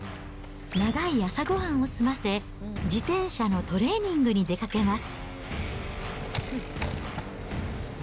長い朝ごはんを済ませ、自転車のトレーニングに出かけます。